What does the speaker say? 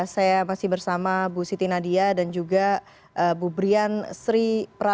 saya masih bersama bu siti nadia dan juga bu brian sri pranowo